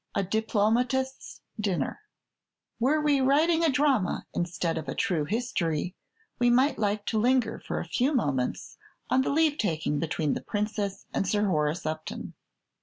A DIPLOMATIST'S DINNER Were we writing a drama instead of a true history, we might like to linger for a few moments on the leave taking between the Princess and Sir Horace Upton.